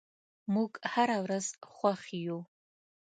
موږ هره ورځ خوښ یو.